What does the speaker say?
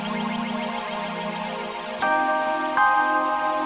mereka udah ada